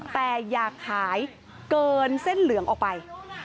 แต่อยากหายเกินเส้นเหลืองออกไป